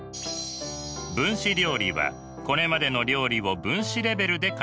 分子料理はこれまでの料理を分子レベルで解析。